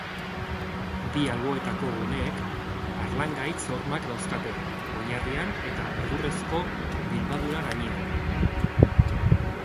Bi alboetako guneek harlangaitz-hormak dauzkate oinarrian eta egurrezko bilbadura gainean.